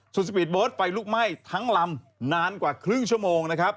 สู่สปีดโบ๊ทไฟลูกไหม้ทั้งลำนานกว่าครึ่งชั่วโมง